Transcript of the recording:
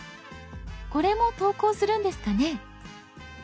これも投稿するんですかね。